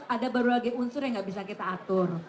ada berbagai unsur yang nggak bisa kita atur